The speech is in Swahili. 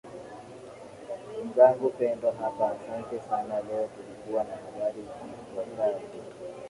nzangu pendo hapa asante sana leo tulikuwa na habari zifuatazo